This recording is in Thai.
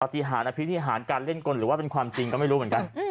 ปฏิหารอภินิหารการเล่นกลหรือว่าเป็นความจริงก็ไม่รู้เหมือนกัน